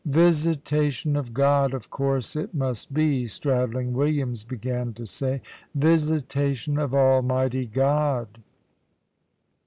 "Visitation of God, of course it must be," Stradling Williams began to say; "visitation of Almighty God."